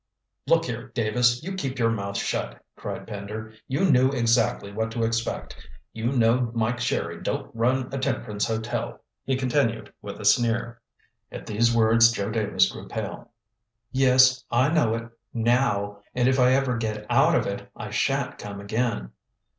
"Look here, Davis, you keep your mouth shut!" cried Pender. "You knew exactly what to expect. You know Mike Sherry don't run a temperance hotel," he continued, with a sneer. At these words Joe Davis grew pale. "Yes, I know it now, and if I ever get out of it, I shan't come again."